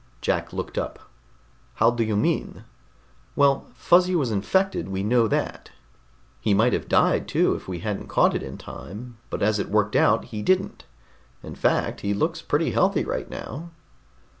Jack looked up. "How do you mean?" "Well, Fuzzy was infected, we know that. He might have died too, if we hadn't caught it in time but as it worked out, he didn't. In fact, he looks pretty healthy right now."